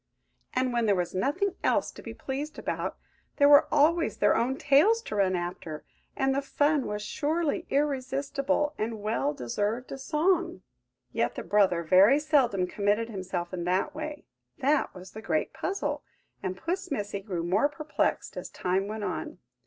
And when there was nothing else to be pleased about, there were always their own tails to run after, and the fun was surely irresistible, and well deserved a song. Yet the brother very seldom committed himself in that way–that was the great puzzle, and Puss Missy grew more perplexed as time went on.